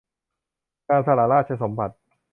การสละราชสมบัติ